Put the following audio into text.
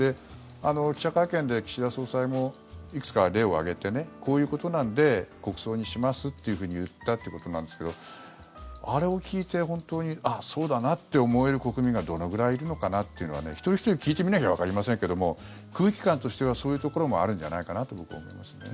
記者会見で岸田総裁もいくつか例を挙げてこういうことなので国葬にしますっていうふうに言ったということなんですけどあれを聞いて、本当にああ、そうだなって思える国民がどのぐらいいるのかなっていうのは一人ひとり聞いてみなきゃわかりませんけども空気感としてはそういうところもあるんじゃないかなと僕は思いますね。